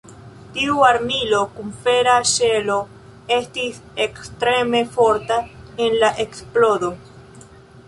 Tiu armilo kun fera ŝelo estis ekstreme forta en la eksplodo.